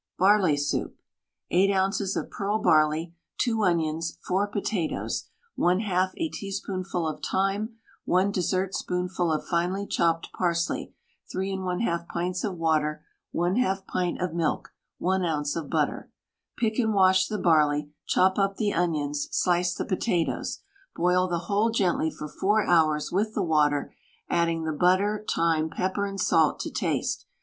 BARLEY SOUP. 8 oz. of pearl barley, 2 onions, 4 potatoes, 1/2 a teaspoonful of thyme, 1 dessertspoonful of finely chopped parsley, 3 1/2 pints of water, 1/2 pint of milk, 1 oz. of butter. Pick and wash the barley, chop up the onions, slice the potatoes. Boil the whole gently for 4 hours with the water, adding the butter, thyme, pepper and salt to taste.